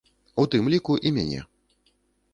У тым ліку і мяне.